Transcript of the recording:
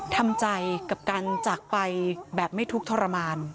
ทำใจกับการจากไปแบบไม่ทุกข์ทรมาน